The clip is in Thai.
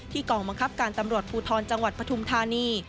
กองบังคับการตำรวจภูทรจังหวัดปฐุมธานี